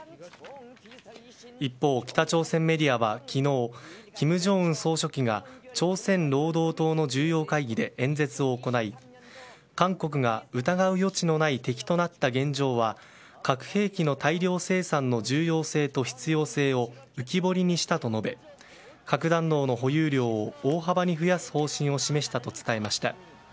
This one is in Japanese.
一方、北朝鮮メディアは昨日金正恩総書記が朝鮮労働党の重要会議で演説を行い韓国が疑う余地のない敵となった現状は核兵器の大量生産の重要性と必要性を浮き彫りにしたと述べ核弾頭の保有量を大幅に増やす方針を示したと伝えました。